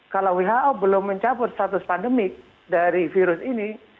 kalau who belum mencabut status pandemik dari virus ini